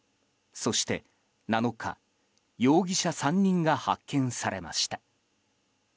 そして、７日容疑者３人が発見されました。